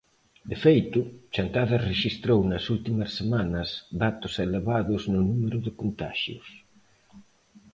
De feito, Chantada rexistrou nas últimas semanas datos elevados no número de contaxios.